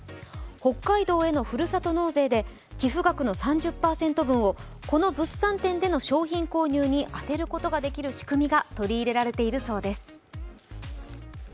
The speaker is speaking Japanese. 北海道へのふるさと納税で寄付額の３０％分をこの物産展での商品購入に充てることができる仕組みが取り入れられているそうです。